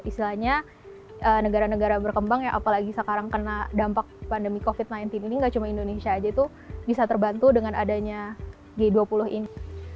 istilahnya negara negara berkembang ya apalagi sekarang kena dampak pandemi covid sembilan belas ini gak cuma indonesia aja itu bisa terbantu dengan adanya g dua puluh ini